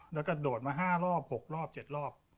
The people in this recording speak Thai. แล้วก็โดดมา๕รอบ๖รอบ๗รอบ